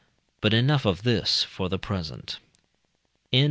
But enough of this for the present. PROP.